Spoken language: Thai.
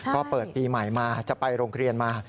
ก็เปิดปีใหม่มาจะไปโรงเรียนมา